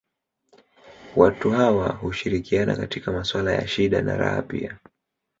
Watu hawa hushirikiana katika maswala ya shida na raha pia